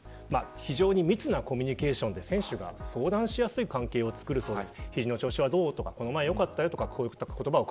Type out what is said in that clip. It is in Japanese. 非常に密なコミュニケーションで選手が相談しやすい関係をつくるそうです。